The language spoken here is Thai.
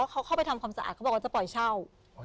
เขาเข้าไปทำความสะอาดเขาบอกว่าจะปล่อยเช่า